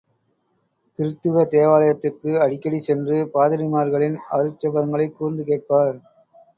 கிறித்துவத் தேவாலயத்துக்கு அடிக்கடி சென்று பாதிரிமார்களின் அருட் ஜெபங்களைக் கூர்ந்து கேட்பார்!